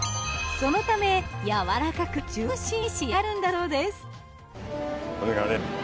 そのため柔らかくジューシーに仕上がるんだそうです。